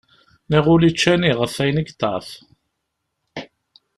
Niɣ ul ičča ani, ɣef ayen i yeṭɛef